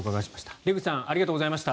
出口さんありがとうございました。